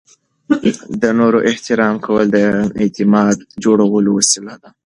د نورو احترام کول د اعتماد جوړولو وسیله ده.